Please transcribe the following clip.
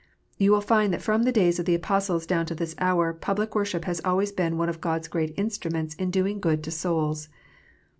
You will find that from the days of the Apostles down to this hour, public worship has always been one of God s great instruments in doing good to souls.